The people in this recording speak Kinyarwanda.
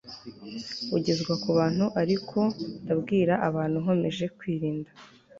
bugezwa ku bantu Ariko ndabwira abantu nkomeje kwirinda